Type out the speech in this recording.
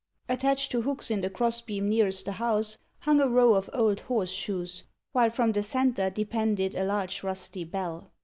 Attached to hooks in the cross beam nearest the house hung a row of old horse shoes, while from the centre depended a large rusty bell.